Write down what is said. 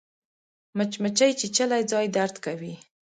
مچمچۍ چیچلی ځای درد کوي